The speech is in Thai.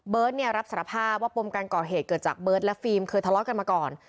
รับสารภาพว่าปมการก่อเหตุเกิดจากเบิร์ตและฟิล์มเคยทะเลาะกันมาก่อน